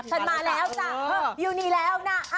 มาแล้วจ้ะอยู่นี่แล้วนะ